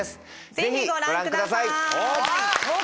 ぜひご覧ください！